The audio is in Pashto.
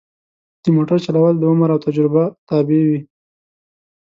د موټر چلول د عمر او تجربه تابع وي.